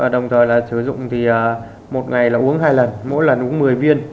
đồng thời là sử dụng thì một ngày là uống hai lần mỗi lần đúng một mươi viên